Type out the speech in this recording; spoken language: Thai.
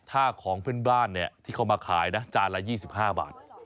ถ้าของเพื่อนบ้านที่เขามาขายนะจานละ๒๕บาท